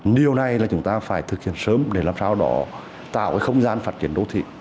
điều này là chúng ta phải thực hiện sớm để làm sao đó tạo cái không gian phát triển đô thị